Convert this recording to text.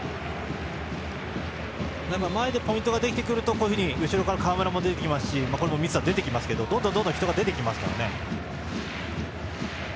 前でポイントができてくると後ろから川村が出てきますしどんどん人が出てきますからね。